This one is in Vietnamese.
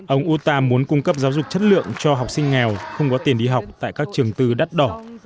ông uta muốn cung cấp giáo dục chất lượng cho học sinh nghèo không có tiền đi học tại các trường tư đắt đỏ